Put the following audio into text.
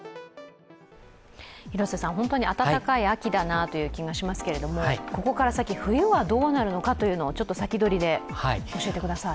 広瀬さん、本当に暖かい秋だなという気がしますけれどもここから先、冬はどうなるのかというのをちょっと先取りで教えてください。